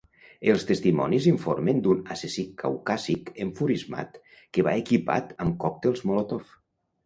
Els testimonis informen d'un assassí caucàsic enfurismat que va equipat amb còctels Molotov.